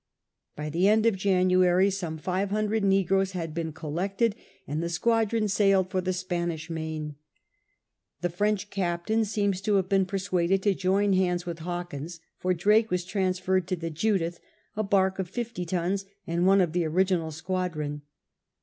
By the end of January some five hundred negroes had been collected, and the squadron sailed for the Spanish Main. The French captain seems to have been persuaded to join hands with Hawkins, for Drake was transferred to the Judith, a barque of fifty tons and one of the original squadron.